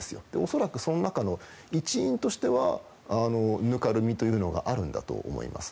恐らくその中の一因としてはぬかるみというのがあるんだと思います。